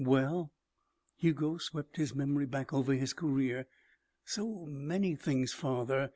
"Well " Hugo swept his memory back over his career "so many things, father.